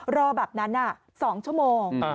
รอแบบนั้น๒ชั่วโมง